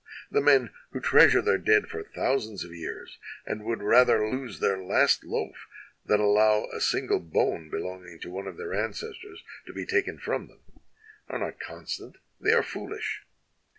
The men who treasure their dead for thousands of years, and would rather lose their last loaf than allow a single bone belonging to one of their ancestors to be taken from them, are not con stant, they are foolish.